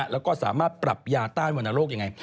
แล้วก็สามารถปรับยาต้านวรรณโรคยังไง